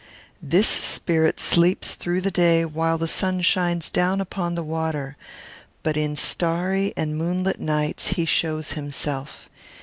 This spirit sleeps through the day while the sun shines down upon the water; but in starry and moonlit nights he shows himself.